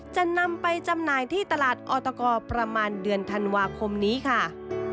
จะนำไปจำหน่ายที่ตลาดออตกประมาณเดือนธันวาคมนี้ค่ะ